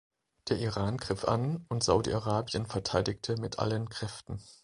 Der Iran griff an und Saudi-Arabien verteidigte mit allen Kräften.